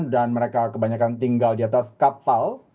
di mana kita lihat